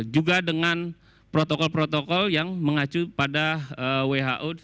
juga dengan protokol protokol yang mengacu pada who